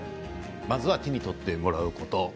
まずは手に取ってもらうこと。